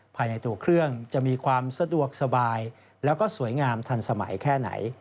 ภายในตัวเครื่องจะมีความสะดวกสบายแล้วก็สวยงามทันสมัยแค่ไหน